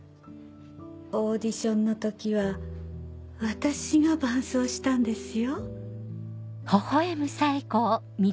オーディションの時は私が伴奏したんですよ。